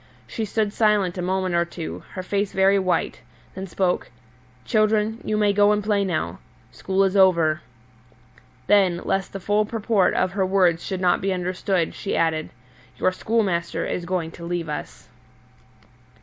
She stood silent a moment or two, her face very white, then spoke: "Children, you may go and play now. School is over;" then, lest the full purport of her words should not be understood, she added, "Your schoolmaster is going to leave us."